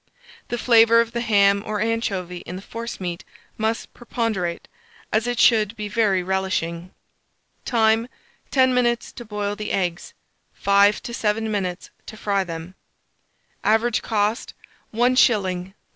The flavour of the ham or anchovy in the forcemeat must preponderate, as it should be very relishing. Time. 10 minutes to boil the eggs, 5 to 7 minutes to fry them. Average cost, 1s. 4d.